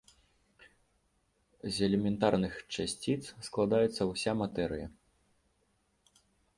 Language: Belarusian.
З элементарных часціц складаецца ўся матэрыя.